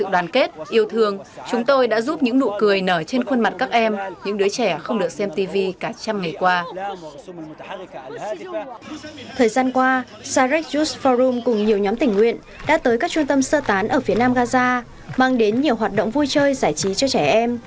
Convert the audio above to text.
đã tới các trung tâm sơ tán ở phía nam gaza mang đến nhiều hoạt động vui chơi giải trí cho trẻ em